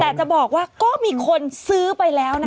แต่จะบอกว่าก็มีคนซื้อไปแล้วนะ